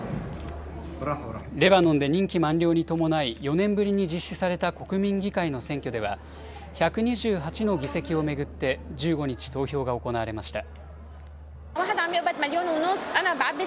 レバノンで任期満了に伴い４年ぶりに実施された国民議会の選挙では１２８の議席を巡って１５日、投票が行われました。